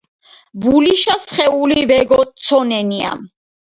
ბულიშა სხული ვეგიჸონენია.